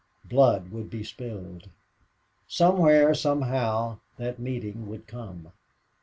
Blood would be spilled. Somewhere, somehow, that meeting would come.